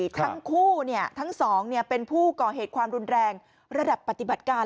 ทั้งคู่ทั้งสองเป็นผู้ก่อเหตุความรุนแรงระดับปฏิบัติการ